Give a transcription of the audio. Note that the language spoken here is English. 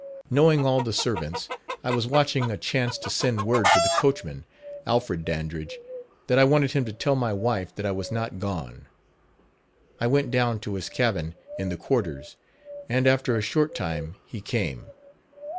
Knowing all the servants, I was watching a chance to send word to the coachman, Alfred Dandridge, that I wanted him to tell my wife that I was not gone. I went down to his cabin, in the quarters; and, after a short time he came.